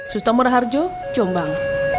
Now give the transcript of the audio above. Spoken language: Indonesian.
sustomor harjo jombang